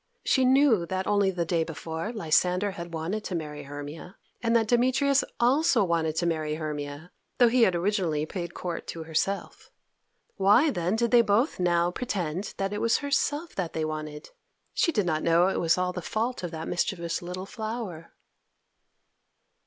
She knew that only the day before Lysander had wanted to marry Hermia, and that Demetrius also wanted to marry Hermia, although he had originally paid court to herself. Why, then, did they both now pretend that it was herself that they wanted? She did not know it was all the fault of that mischievous little flower.